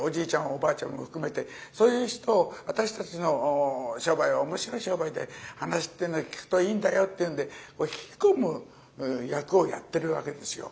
おばあちゃんも含めてそういう人を私たちの商売は面白い商売で噺っていうのを聴くといいんだよっていうんで引き込む役をやってるわけですよ。